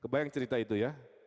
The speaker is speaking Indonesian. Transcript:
bayang cerita itu ya